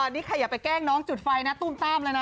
นี่ใครอย่าไปแกล้งน้องจุดไฟนะตุ้มต้ามเลยนะ